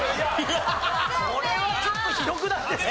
これはちょっとひどくないですか？